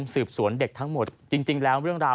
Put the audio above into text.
สืบสวนเด็กทั้งหมดจริงแล้วเรื่องราว